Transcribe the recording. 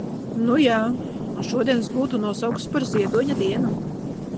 Nujā, un šodienu es būtu nosaukusi par Ziedoņa dienu.